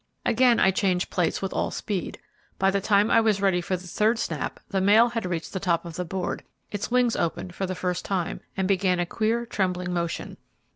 Again I changed plates with all speed. By the time I was ready for the third snap the male had reached the top of the board, its wings opened for the first time, and began a queer trembling motion.